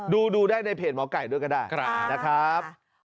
ดูได้ในเพจหมอไก่ด้วยก็ได้นะครับ